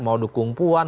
mau dukung puan